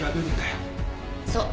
そう。